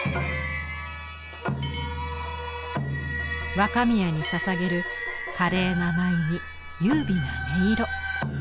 若宮にささげる華麗な舞に優美な音色。